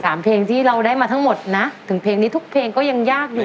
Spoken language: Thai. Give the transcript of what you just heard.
เพลงที่เราได้มาทั้งหมดนะถึงเพลงนี้ทุกเพลงก็ยังยากอยู่